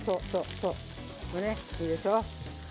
いいでしょ。